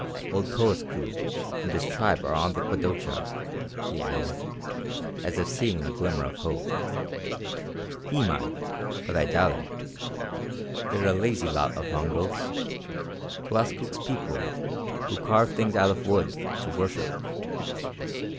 "Old Towaskook and his tribe are on the Kwadocha," he added, as if seeing a glimmer of hope. "He might. But I doubt it. They're a lazy lot of mongrels, Towaskook's people, who carve things out of wood, to worship.